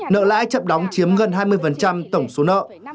nợ lãi chậm đóng chiếm gần hai mươi tổng số nợ